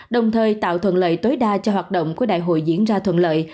đồng thời tạo thuận lợi tối đa cho hoạt động của đại hội diễn ra thuận lợi